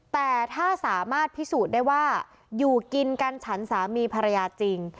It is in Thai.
แต่ถ้าสามารถพิสูจน์ได้ว่าอยู่กินกันฉันสามีภรรยาจริง